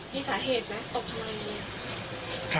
นะฮะ